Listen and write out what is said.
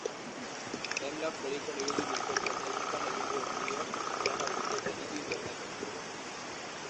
Time-laps deritzon irudi bizkortuen teknikan egin duen bideoak milaka bisita izan ditu interneten.